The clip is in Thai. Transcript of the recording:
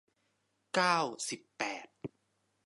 เก้าสิบแปด